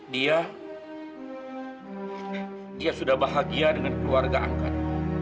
dia dia sudah bahagia dengan keluarga angkat